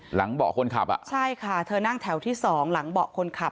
เบาะคนขับอ่ะใช่ค่ะเธอนั่งแถวที่สองหลังเบาะคนขับ